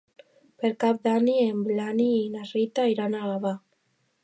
Per Cap d'Any en Blai i na Rita iran a Gavà.